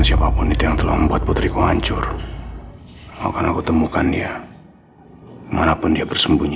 siapapun itu yang telah membuat putri kuhancur mau kan aku temukan dia manapun dia bersembunyi